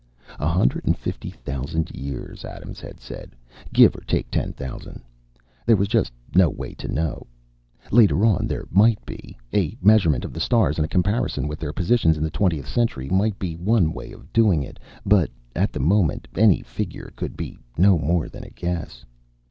A hundred and fifty thousand years, Adams had said, give or take ten thousand. There just was no way to know. Later on, there might be. A measurement of the stars and a comparison with their positions in the twentieth century might be one way of doing it. But at the moment, any figure could be no more than a guess.